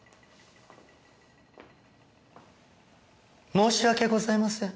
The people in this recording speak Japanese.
申し訳ございません。